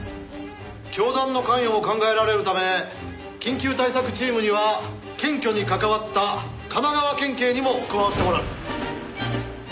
教団の関与も考えられるため緊急対策チームには検挙に関わった神奈川県警にも加わってもらう。